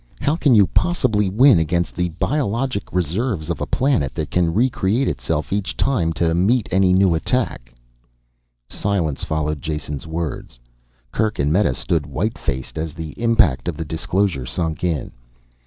How can you possibly win against the biologic reserves of a planet that can recreate itself each time to meet any new attack?" Silence followed Jason's words. Kerk and Meta stood white faced as the impact of the disclosure sunk in.